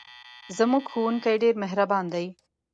زموږ ښوونکی ډېر مهربان دی.